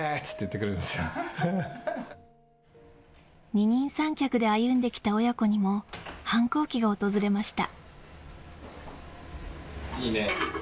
二人三脚で歩んできた親子にも反抗期が訪れました。